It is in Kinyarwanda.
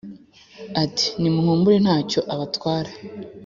ati : nimuhumure ntacyo abatwara